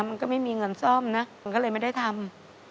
มันก็ไม่มีเงินซ่อมนะมันก็เลยไม่ได้ทำ